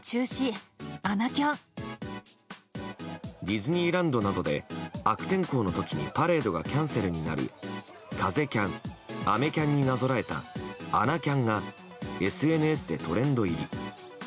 ディズニーランドなどで悪天候の時にパレードがキャンセルになる風キャン、雨キャンになぞらえた穴キャンがＳＮＳでトレンド入り。